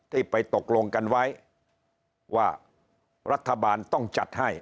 ที่ไปตกลงกันไว้ว่ารัฐบาลต้องจัดให้